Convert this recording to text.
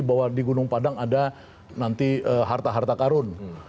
bahwa di gunung padang ada nanti harta harta karun